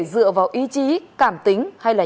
dựa vào ý chí cảm tính hay là